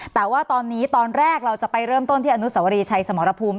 แต่ว่าตอนนี้ตอนแรกเราจะไปเริ่มต้นที่อนุสวรีชัยสมรภูมิ